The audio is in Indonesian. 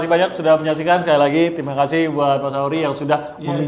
banyak sudah menyaksikan sekali lagi terima kasih buat yang sudah